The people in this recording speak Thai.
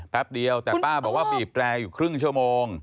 แป๊บเดียวแต่ป้าบอกว่าบีบแรร์อยู่ครึ่งชั่วโมง